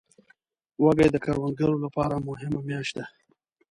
وږی د کروندګرو لپاره مهمه میاشت ده.